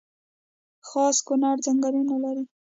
خاص کونړ ځنګلونه لري؟